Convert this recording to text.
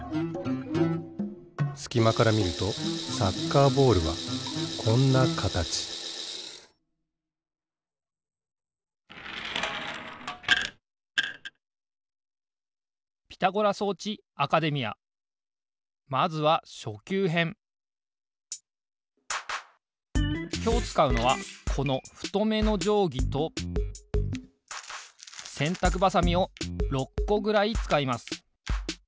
すきまからみるとサッカーボールはこんなかたちまずはきょうつかうのはこのふとめのじょうぎとせんたくばさみを６こぐらいつかいます。